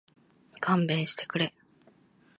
勘弁してくれ